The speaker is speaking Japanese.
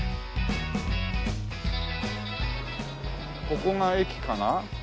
ここが駅かな？